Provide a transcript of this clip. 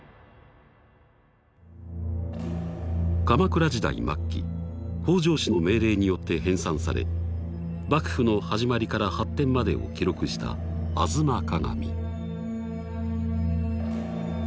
鎌倉時代末期北条氏の命令によって編纂され幕府の始まりから発展までを記録した「吾妻鏡」。